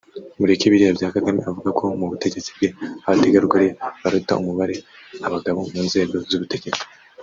mureke biriya bya Kagame uvuga ko mu butegetsi bwe abategarugoli baruta umubare abagabo mu nzego z’ubutegetsi bwe